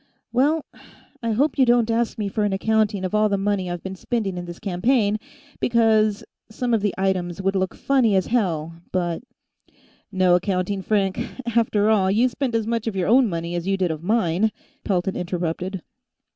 "Well ... I hope you don't ask me for an accounting of all the money I've been spending in this campaign, because some of the items would look funny as hell, but " "No accounting, Frank. After all, you spent as much of your own money as you did of mine," Pelton interrupted.